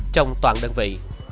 trong toàn đơn vị